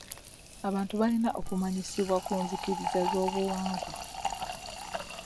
Abantu balina okumanyisibwa ku nzikiriza z'obuwangwa.